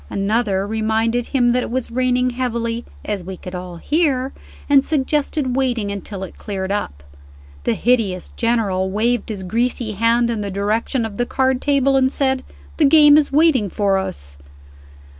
Another reminded him that it was raining heavily (as we could all hear), and suggested waiting until it cleared up. The hideous General waved his greasy hand in the direction of the card table, and said, "The game is waiting for us."